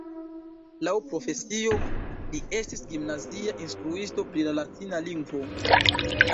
Laŭ profesio, li estis gimnazia instruisto pri la latina lingvo.